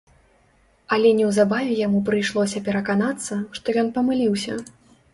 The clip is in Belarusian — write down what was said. Але неўзабаве яму прыйшлося пераканацца, што ён памыліўся.